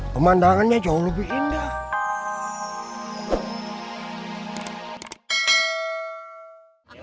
pemandangannya jauh lebih indah